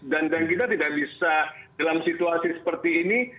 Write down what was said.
dan kita tidak bisa dalam situasi seperti ini